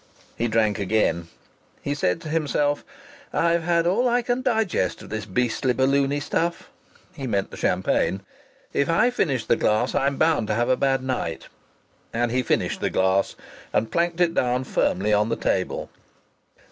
He drank again. He said to himself: "I've had all I can digest of this beastly balloony stuff." (He meant the champagne.) "If I finish the glass I'm bound to have a bad night." And he finished the glass, and planked it down firmly on the table.